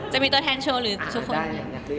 จะมีตัวแทนโชว์หรือทุกคน